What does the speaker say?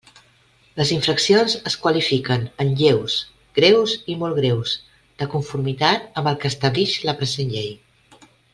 Les infraccions es qualifiquen en lleus, greus i molt greus, de conformitat amb el que establix la present llei.